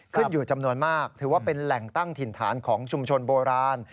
ขึ้นอยู่จำนวนมากถือว่าเป็นแหล่งตั้งถิ่นฐานของชุมชนโบราณ